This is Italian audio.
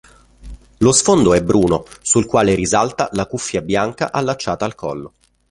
Lo sfondo è bruno, sul quale risalta la cuffia bianca allacciata al collo.